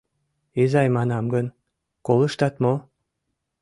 Изай манам гын, колыштат мо?